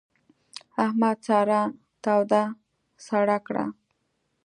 احمد سارا توده سړه کړه.